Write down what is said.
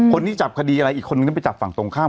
คนที่จับคดีอะไรอีกคนนึงก็ไปจับฝั่งตรงข้าม